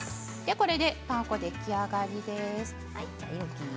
これでパン粉が出来上がりです。